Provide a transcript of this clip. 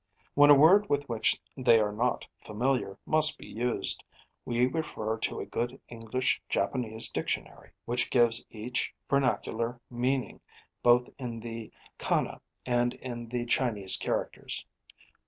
When a word with which they are not familiar must be used, we refer to a good English Japanese dictionary, which gives each vernacular meaning both in the kana and in the Chinese characters.